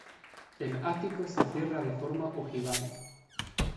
El ático se cierra de forma ojival.